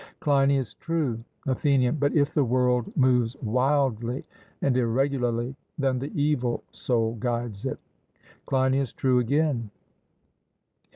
CLEINIAS: True. ATHENIAN: But if the world moves wildly and irregularly, then the evil soul guides it. CLEINIAS: True again.